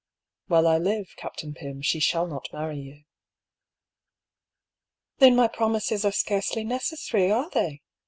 " "While I live. Captain Pym, she shall not marry you." "Then my promises are scarcely necessary, are they?"